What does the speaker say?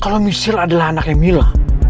kalau michel adalah anaknya mila